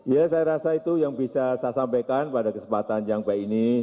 ya saya rasa itu yang bisa saya sampaikan pada kesempatan yang baik ini